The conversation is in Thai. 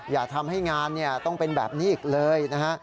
อย่าทำให้งานต้องเป็นแบบนี้อีกเลยนะฮะ